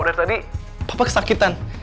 dari tadi papa kesakitan